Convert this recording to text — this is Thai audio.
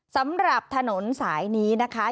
สำหรับถนนสายนี้นะคะ